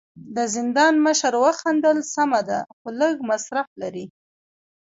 د زندان مشر وخندل: سمه ده، خو لږ مصرف لري.